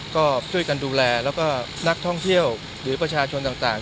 ก็ช่วยกันดูแลแล้วก็นักท่องเที่ยวหรือประชาชนต่าง